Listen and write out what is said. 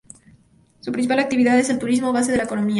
Su principal actividad es el turismo, base de su economía.